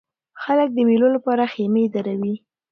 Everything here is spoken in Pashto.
خلک د مېلو له پاره خیمې دروي.